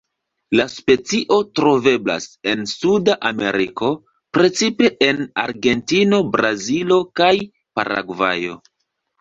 La specio troveblas en Suda Ameriko, precipe en Argentino, Brazilo kaj Paragvajo.